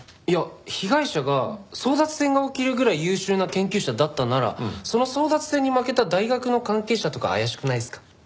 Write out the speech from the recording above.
いや被害者が争奪戦が起きるぐらい優秀な研究者だったならその争奪戦に負けた大学の関係者とか怪しくないですか？